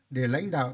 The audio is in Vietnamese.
để lãnh đạo